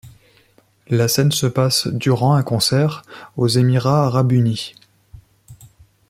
La scène se passe durant un concert aux Emirats Arabes Unis.